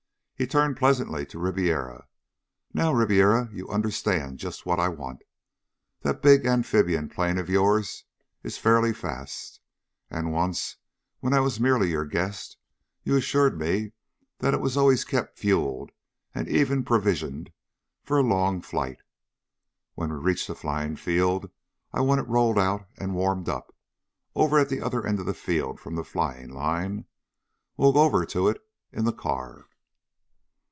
He turned pleasantly to Ribiera. "Now, Ribiera, you understand just what I want. That big amphibian plane of yours is fairly fast, and once when I was merely your guest you assured me that it was always kept fueled and even provisioned for a long flight. When we reach the flying field I want it rolled out and warmed up, over at the other end of the field from the flying line. We'll go over to it in the car.